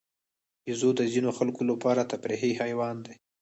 بیزو د ځینو خلکو لپاره تفریحي حیوان دی.